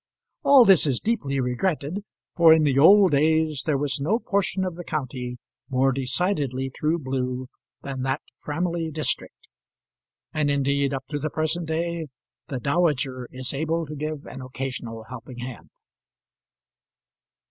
All this is deeply regretted, for, in the old days, there was no portion of the county more decidedly true blue than that Framley district; and, indeed, up to the present day, the dowager is able to give an occasional helping hand.